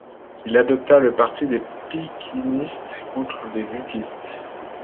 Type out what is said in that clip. Il adopta le parti des piccinistes contre les gluckistes.